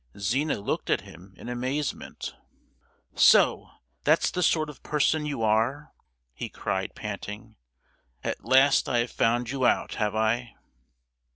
Zina looked at him in amazement. "So that's the sort of person you are!" he cried panting. "At last I have found you out, have I?"